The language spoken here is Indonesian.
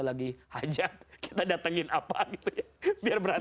lagi hajat kita datengin apa gitu ya biar berantakan